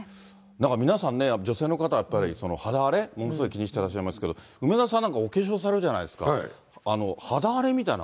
皆さんね、女性の方はやっぱり、肌荒れ、ものすごい気にしてらっしゃいますけど、梅沢さんなんか、お化粧されるじゃないですか、肌荒れみたいなの。